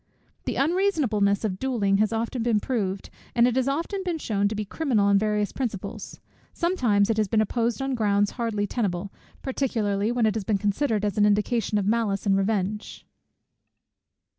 The unreasonableness of duelling has been often proved, and it has often been shewn to be criminal on various principles: sometimes it has been opposed on grounds hardly tenable; particularly when it has been considered as an indication of malice and revenge.